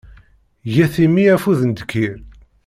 Get i mmi afud n ddkir.